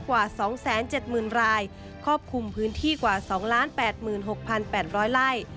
กว่า๒๗๐๐รายครอบคลุมพื้นที่กว่า๒๘๖๘๐๐ไร่